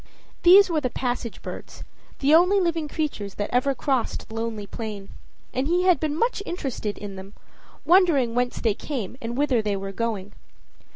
These were the passage birds the only living creatures that ever crossed the lonely plain; and he had been much interested in them, wonder ing whence they came and whither they were going.